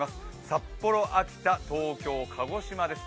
札幌、秋田、東京、鹿児島です。